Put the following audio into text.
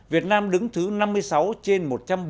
việt nam đứng thứ năm mươi sáu trên